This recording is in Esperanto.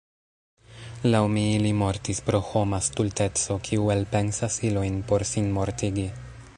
Laŭ mi ili mortis pro homa stulteco, kiu elpensas ilojn por sinmortigi.